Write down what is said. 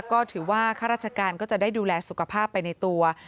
ก็ถือว่าข้าราชการก็จะได้ดูแลสุขภาพไปในตัว